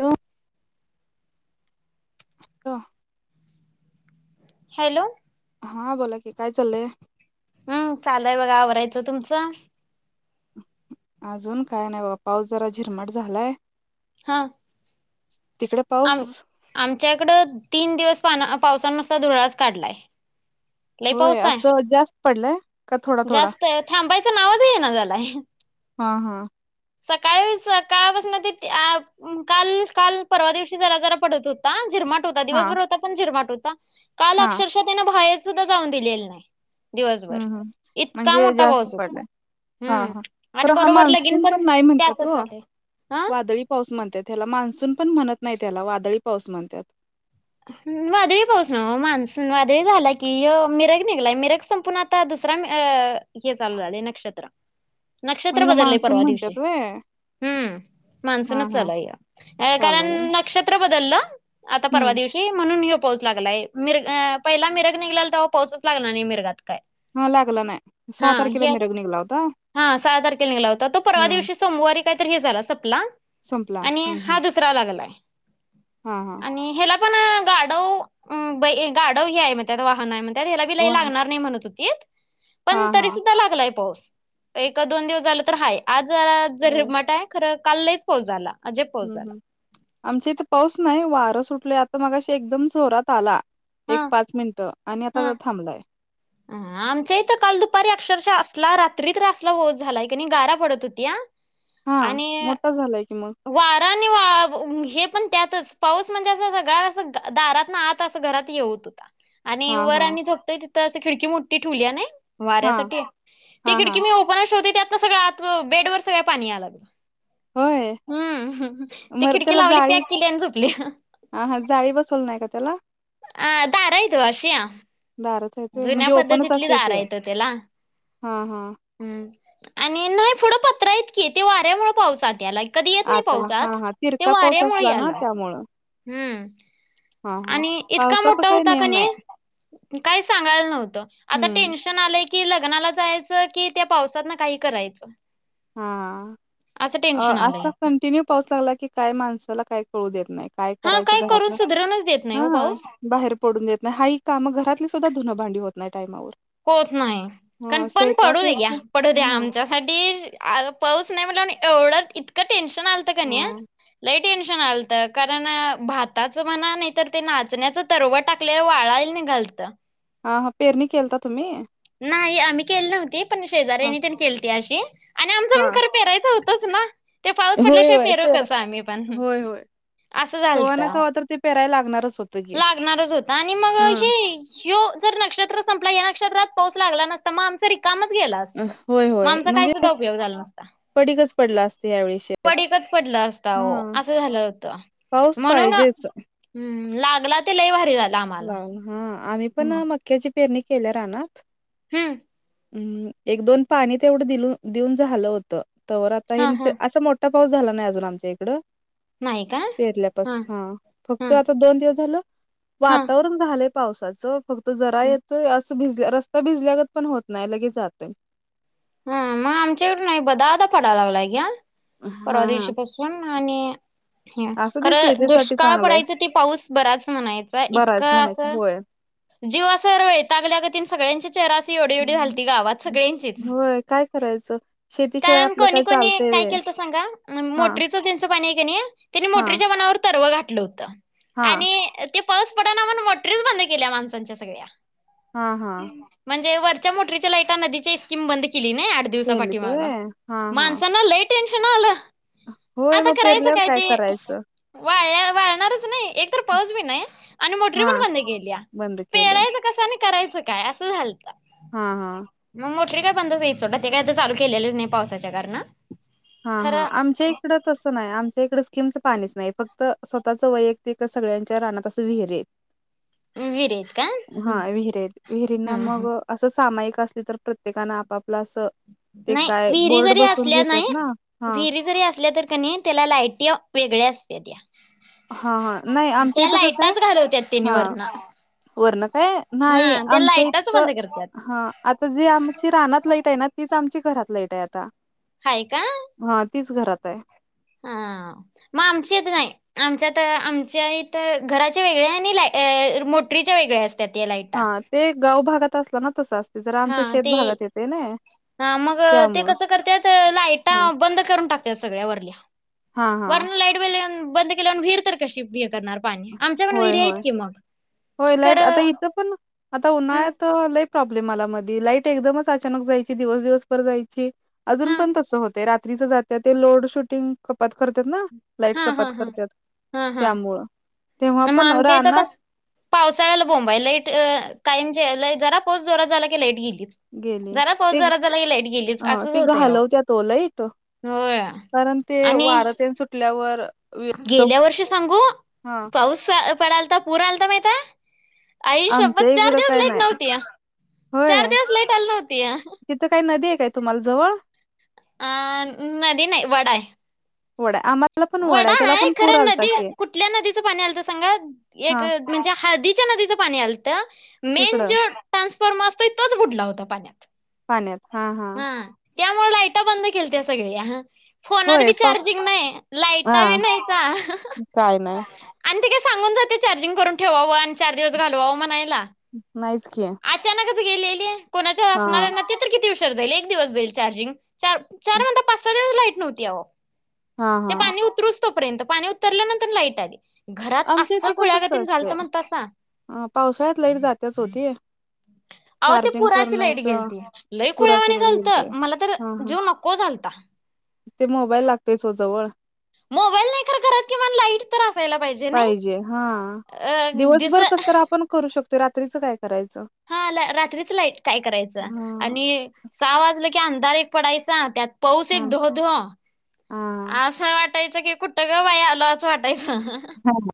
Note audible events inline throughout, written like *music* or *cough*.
Hello hello hello हा बोला की काय चाललंय? हम्म चालय बघा आवरायचं. तुमचं? अजून काय नाही बाबा पाऊस जरा झिरमट झालाय. हां तिकडे पाऊस? आमच्याकडं तीन दिवस पान पावसान नुस्ता धुरळाच काढलाय *inaudible* लय होय पाऊस हाय असं जास्त पडलाय का थोडा थोडा? जास्त थांबायचं नावच येईना झालाय हां हां सकाळी सकाळपासून ते काल काल परवा दिवशी जरा जरा पडत होता झिरमाट होता हा दिवसभर पडत होता पण झिरमट होता काल हा अक्षरशः त्यांना बाहेर सुद्धा जाऊन दिलेलं नाही. दिवसभर हम्म हम्म इतका म्हणजे मोठा जास्त पाऊस होता पडलाय हा हम्म हां खर आणि हा बरोबर लगीन मान्सून पण नाही म्हणतात त्यातच हो आलय हा वादळी पाऊस म्हणतात ह्याला मान्सून पण म्हणत नाहीत त्याला वादळी पाऊस म्हणतात. वादळी पाऊस नव्ह मानसून वादळी झाला की मिरग निघलाय मिरग संपूण ता दुसरा अ हे चालू झालय नक्षत्र मग नक्षत्र ह्याला बदललेय मान्सून परवा दिवशी म्हणतात व्हय हम्म हा मान्सूनच हा चालूय या चालू कारण आहे व्हय नक्षत्र बदललं आता परवा हम्म दिव की म्हणून ह्यो पाऊस लागलाय मिरग पहिला मिरग निघलेला तवा पाऊसच लागला नाय मिरगात काय हा लागला नाय सहा हा तारखेला हे मीरग निघला होता. हा सहा तारखेला निघला होता. तो परवा हम्म दिवशी सोमवारी कायतरी हे झाला सपला संपला आणि हम्म हा हम्म दुसरा लागलाय. हा हां आणि ह्याला पण अ गाडव अ बय गाडव हे हाय म्हणतात वाहन हाय म्हण तर ह्याला बी लय वा लागणार नाय म्हणत होतीत. पण हा हा तरी सुद्धा लागलाय पाऊस एक दोन दिवस झाल तर हाय आज जरा होय झरमट हाय खरं काल लईच पाऊस झाला. अजिब पाऊस हूं झाला. हूं आमच्या इथे पाऊस नाय वारं सुटलय आता मगाशी एकदम जोरात आला. हा एक पाच मिनटं आणि हा आता थांबलाय. आमच्या इथं तर काल दुपारी अक्षरशः असला रात्री तर असला पाऊस झालाय कणी गारा पडत होत्या हा आणि मोठा झालाय की म वारा आणि वा हे पण त्यातच पाऊस म्हणजे अस सगळ्या असं दारात ना आत असं घरात येऊत होता. आणि हा वर हा आम्ही झपतोय तिथं अस खिडकी मोठ्ठी ठेवलिया नाय हा वाऱ्यासाठी ती हा हा खिडकी मी उ वर शोधी त्यातनं सगळ आत बेड वर सगळं पाणी यायला लागल होय हम्म ते खिडकी लावली पॅक केली आणि झोपली. ह हा जाळी बसवली नाय का त्याला अ दारा हाईत ओ अशी दारच हाईत व्हय जुन्या म्हणजे ओपनच पद्धतीतली असतय दार त्या आहेत ओ त्याला हा हा हम्म आणि नाय पुढं पत्र हायत की ते वाऱ्यामुळ पाऊस आत यालाय कधी येत नाय आताला पाऊस हा आत हा ते तिरका पाऊस वाऱ्यामुळे असला ना यायला त्यामुळं हम्म हा हा आणि इतका पावसाचा मोठा काही होता नियम कणी नाही काय सांगायला नव्हतं आता टेन् हम्म न्शन आलंय की लग्नाला जायचं की त्या पावसातना काही करायच. हा अ आलंय असा आता कंटिन्यू पाऊस लागला की काय माणसाला काय कळू देत नाय काय हा करायचं काही करून घरातनं सुधरवूनच देत नाही ओ हा पाऊस. बाहेर पडून देत नाय हाय ही काम घरातली सुद्धा धुनं भांडी होत नाय टायमावर होत नाय कारण हां, पण पडू स्वयंपाक दे एक घ्या हां, पडू द्या आमचा अडीज पाऊस नाय म्हणल्यावर एवढं इतकं टेन्शन आलत कनी हां, लई टेन्शन आलत कारण भाताचं म्हणा नायतर ते नाचण्याच तरव टाक लय वाळाय निगालत हा हा पेरणी केलता तुम्ही नाही आम्ही केली नव्हती पण शेजऱ्यांनी तेन केलती अशी आणि आम हा पेरायचं होतच ना ते पाऊस पडल्याशिवाय होय. पेरु पेरा कस आम्ही पण होय, असं झालत. पेराय लागणारच होत लागणारच होत आणि मग हे ह्यो जर नक्षत्र संपला या नक्षत्रात पाऊस लागला नसता मग आमच रीक कामच गेल अ, असत होय, म होय. आमचा काय म्हणजे सुद्धा उपयोग झाला नसता. पडीकच पडला असतं यावेळी शेत. पडीकच पडल असता आहो हां, असं झालं होत. पाऊस पाहिजेच हम्म. लागला ते लै भारी झाला आम्हाला. हा आम्ही पण हम्म मक्याची पेरणी केल्या रानात. हम्म. हम्म एक दोन पाणी तेवढं दि देऊन झालं होत. तवर आता हे हा हा असं मो ठा पाऊस झाला नाही अजून आमच्या इकडे. नाही का? पेरल्यापासून. हा हा फक्त आता दोन दिवस झालं हा वातावरण झालंय पावसाचं. फक्त जरा येतोय अस भिजल्या रस्ता भिजल्यागत पण होत नाय. लगेच जातो. हा मग आमच्याकडून नाही बदाबदा पडायला लागलाय का्या. हा परवा हा दिवशी पाासून. आणि असू दे खरं शेतीसाठी दुष्काळ चांगलंय पडायचं ते पाऊस बराच म्हणायचा. बराच इतकं म्हणायचं असं होय जीव असं वैतागल्यागतीन सगळ्यांचे चेहरा अस एवढी एवढी झालती गावात. सगळ्यांचीच. होय काय करायचं शेतीशिवाय कारण आपलं कोणी काय कोणी चालतंय काय व्हय केलत सांगा. हा मोटरीचं ज्याचं पाणीय का नाही. त्यांनी हा मोटरीच्या मनावर तरव घातलं होतं. हा आणि ते पाऊस पड ना म्हणून मोटरीच बंद केल्या माणसांच्या सगळ्या. हा हा म्हणजे वरच्या मोटरीच्या लाईटा. नदीची स्कीमबंद केली ना आठ दिवसा पाठी केलीत माग. व्हय हा हा माणसना लई टेन्शन आलं. होय आता मग करायचं पेरल्यावर काय ते? करायचं वाळ वाळणारच ना. एक तर पाऊच बी नाय. आणि मोटरी पण हा बंद केेल्या. बंद केल्या पेरायच कसं आणि करायचं काय असं झालत. हा हा. मग मोटरी काय बंदचई सोडा. ते काय तर चालू केलेच नाही पावसाच्या कारणं. हां हा आमचे इड तसं नाही. आमच्या इकडे स्कीमच पाणीच नाही. फक्त स्वतःच वैयक्तिक सगळ्यांच्या रानात असं विहिरीत. विहिरी आहेत का हा हम्म विहिरीयत. विहिरीना हम्म मग हम्म असं सामायिक असले तर प्रत्येकानं आपापला असं ते नाही काय विहिरी बोर्ड जरी बसवून असल्या घेतात नाही ना हां, विहिरी जरी असल्या तरी कनी, त्याला लाईटी वेगळ्या असते त्या. हा हा नाही आमच्या त्या इथं कसंय. लाईटाच घालवत्यात त्यांनी हा. वरनं वर्ण काय नाही. हा त्या आमच्या लाईटाच इथ बंद करत्यात हा. आता जी आमची रानात लाईटय ना. तीच आमची घरात लाईटय आता. हाय का? हा तीच घरातय. हा मग आमची येथ नाही. आमच्यात आमच्या इथं घराचे वेगळी आणि ला मोटरीचे वेगळ्या अस त्यात या लाईटा. हां, ते गाव भागात असला ना तसं असते. जरा हा आमच शेत ते भागात येते ना. हा मग ते त्यामुळं. कसं करत्यात. लाइटा हं. बंद करून टाकत्यात सगळ्या वरल्या. हा हा. वरनं लाईट बंद केल्या न विहीर तर कशी हे करणार पाणी. आमच्या पण होय, विहिर आहेत होय. की मग. होय कर लाईट. आता इथं पण आता हम्म उन्हाळ्यात लई प्रॉब्लेम आला मध्ये. लाईट एकदमच अचानक जायची. दिवस दिवस पर जायची. अजून हा पण तसं होते. रात्रीच जाते ते. लोड शुटिंग कपात करतात ना. लाईट हा हा कपात हा करतात. त्यामुळं. तेव्हा म पण आमच्या इथं त रानात पावसाळ्याला बोंब आहे. लाईट काय म्हणजे जरा पाऊस जोरात झाला की लाईट गेलीच. गेली जरा पाऊस ती जोरात झाला की लाईट गेलीच अ असंच ती होतंय अहो घालवत्यात ओ लाईट. होय कारण ते आणि वार तेन सुटल्यावर व्यक्त गेल्या वर्षी सांगू हा. पाऊस पडालता पूर आलता माहिताय. आई आमच्या शपथ चार इकडं दिवस काय लाईट नाही नव्हती. चार होय. दिवस लाईट आली नव्हती तिथं काही नदी आहे काय तुम्हाला जवळ. अ नदी नाही. वडा आहे. वडाय अमा वडा हाय खरं नदी कुठल्या नदीचं पाणी आलं तर सांगा एक हा म्हणजे हळदीच्या नदीचं पाणी आलंत. मेन तिकडं ज्यो ट्रान्सफॉर्म असतोय तोच बुडला होता पाण्यात. पाण्यात हा -हा. त्यामुळ लाईटा बंद केलत्या सगळ्या. फोनात होय बी पा चार्जिंग नाही. हा लाईटा बी नाहीता काय नाही आणि ति काय सांगून जातय चार्जिंग करून ठेवावं आणि चार दिवस घालवावं म्हणायला. नाहीच की. अचानकच गेलेलीय. कोणाच्या हा असणाऱ्या ना ते तर किती उशर जाईल एक दिवस जाईल चार्जिंग. चार चार म्हणता पाच सहा दिवस लाईट नव्हती आवो हा हा. तोपर्यंत पाणी उतरल्यानंतर लाईट आली. घरात आमच्या अस्स इथं पण तसं खुळ्यागतीन झालत असतंय म्हणतासा. अ पावसाळ्यात लाईट जात्याच ओ ती अ वो ते चार्जिंग पुराची लईट करण्याचं गेलती. लई पुराची खोळ्यावानो लाईट झालत. गेलती मला तर हा हा जीव नको झालता. ते मोबाईल लागतोयच ओ जवळ. मोबाईल नाही खरं घरात किमान लाईट तर असायला पाहिजे. नाही. पाहिजे हा अ दिस दिवसभर कस तर आपण करू शकतोय. रात्रीचं काय करायचं? हा ला रात्रीच लाईट काय करायचं? हा आणि सहा वाजलं की अंधार एक पडायचा त्यात पाऊस एक हा धो धो हा आस हा वाटायचं की कुठं ग बाई आलो असं वाटायचं. हा हा.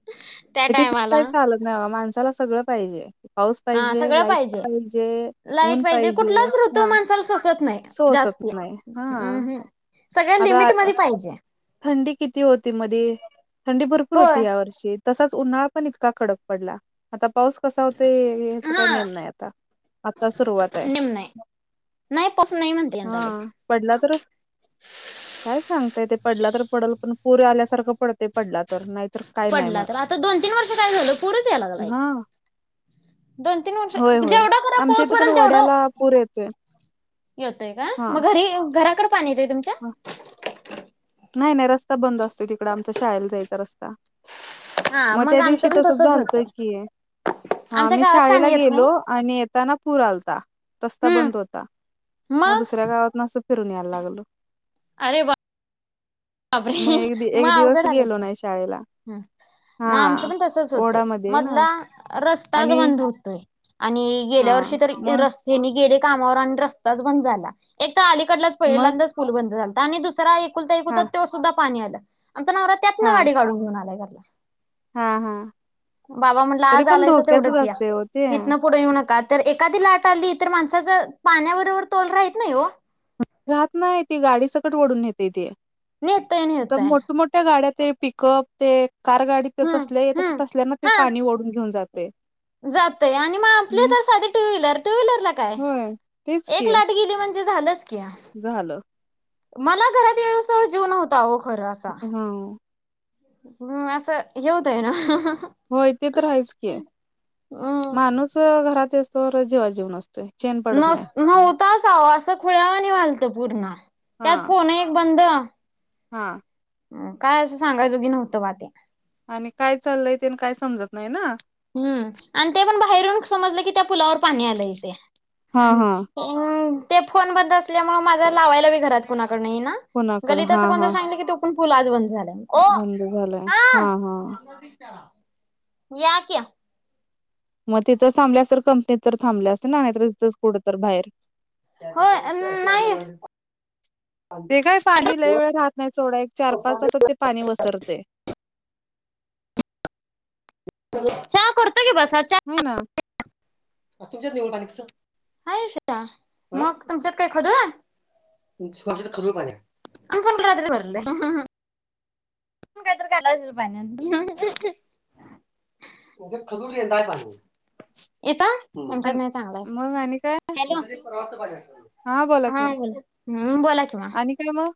*inaudible* *unintelligible* काय टायमाला चालत नाही माणसाला सगळं पाहिजे. पाऊस हा पाहिजे सगळं लाईट पाहिजे लाईट ऊन पाहिजे कुठलाच ऋतू हा माणसाला सोसत नाही. सोसत जास्ती नाही हा हम्म हम् सगळ आता लिमिट मध्ये पाहिजे. थंडी किती होती मध्ये थंडी भरपूर होती होय. या वर्षी तसाच उन्हाळा पण इतका कडक पडला आता पाऊस कसा होते हेचा काही हा नेम नाही आता. आता सुरुवात आहे. नेम नाही. नाही पसून नाही म्हणतेय हा यंदा लईच. पडला तर काय सांगताय ते पडला तर पडल पण पुर आल्यासारखं पडतय. पडला तर नाहीतर काय नाही म. पडला तर आता दोन तीन वर्ष काय झालं पूरच यायला लागलाय. हा. दोन तीन वर्ष होय होय जेवढा खरा आमच्या पाऊस इथे पण पडल तेवढं वड्याला पूर येतोय येतोय का हा मग घरी घराकड पाणी येतय तुमच्या. *inaudible* नाही नाही रस्ता बंद असतोय तिकड आमच्या शाळेला जायचा रस्ता हा मग त्या दिवशी आमचं पण तसंच तसच झालतं होतंय की हा आमच्या मी गावात शाळेला पाणी येत नाही. गेलो आणि येताना पूर आलता रस्ता हम्म बंद होता. मग दुसऱ्या गावातन आसं फिरून यायला लागल. अरे वा! मी एक एक दिवस गेलो नाही शाळेला. हम् मग हा आमचं पण तसच होतय, ओढामध्ये आहे ना मधला रस्ताच आणि बंद होतोय. आणि हा गेल्या वर्षी तर मग रस् हेनी गेले कामावर आणि रस्ताच बंद झाला. एक तर अलीकडलाच मग पहिल्यांदाच पूल बंद झालता आणि दुसरा एकुलता एक होता हा तो सुद्धा पाणी आलं आमचा नवरा त्यातन हा गाडी काढून हा हा बाबा म्हणलं तरी आज पण आलायास धोक्याचच तेवढच असते हो ते या पुढे येऊ नका तर एखादी लाट आली तर माणसाचा पाण्याबरोबर तोल राहत नाही हो राहत नाही ती गाडी सकट ओढून येते ते नेतय आता नेतय मोठमोठ्या गाड्यात पिकअप ते कार गाडी ते हम्म तसल्या तस हम्म तसल्या ना ते हा पाणी ओढून घेऊन जात जातय आणि मग आपली तर साधी टू व्हीलर टू व्हीलरला काय होय तेच एक की लाट गेली म्हणजे झालंच की झालं. मला घरात व्यवस्थेवर जीव नव्हता हो खरं असा ह हम् असं हे होत ना. होय ते तर यायचं की हम्म माणूस घरात येऊ स त्तर जेव्हात जीव नसतोय चैन पडत नाही. नस नव्हताच आव असं खुळ्यावा नि निघालत पूर्ण हा त्यात फोन एक बंद हा. काय असं सांगायजोगी नव्हतं बा त्या्या आणि काय चाललंय ते काय समजत नाही ना. हम्म आणि ते पण बाहेरून समजलं की त्या पुलावर पाणी आलं इथे हा हा ते फोन बद्दल असल्यामुळे माझा लावायला बी घरात कुणाकड नाही ना. कोणाकडं गलीत हा असं कोण हा सांगितलं की तो पण पूल आज बंद झालया. बंद झालंय हा हा चला या क्या मग तिथंच थांबल्या अस तर कंपनीत तर थांबल्या असे ना नाही तर तिथच कुठं तर बाहेर होय नाही. ते काय पाणी लय वेळ राहात नाही सोडा, एक चार, पाच तासात ते पाणी वसरते. चहा करतो की बसा. हो ना. तुमच्या देळ हा मग तुमच्यात काय खदोड *unintelligible* मी प रात्री भरले *unintelligible* काहीत खाय असल पाण्या *unintelligible* म्हणजे खजुर यय पाणी येत *unintelligible* आमच्यात आणि नाही चांगला आहे. मग आणि काय हा बोला हम्म बोला कि मॅम आणि काय मग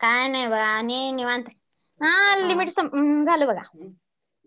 काय नाही बघा आणि निवांत त हा लिमिट झालं बघा.